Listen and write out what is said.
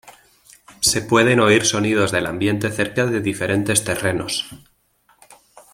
Se pueden oír sonidos del ambiente cerca de diferentes terrenos.